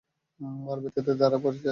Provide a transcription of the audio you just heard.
আর ব্যর্থতার দ্বারা পরিচিত।